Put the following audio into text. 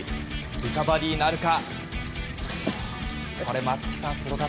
リカバリーなるか。